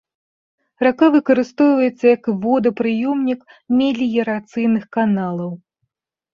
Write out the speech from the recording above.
Рака выкарыстоўваецца як водапрыёмнік меліярацыйных каналаў.